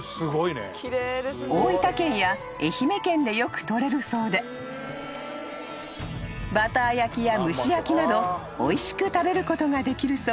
［大分県や愛媛県でよくとれるそうでバター焼きや蒸し焼きなどおいしく食べることができるそうです］